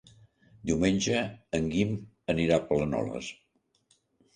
Diumenge en Guim anirà a Planoles.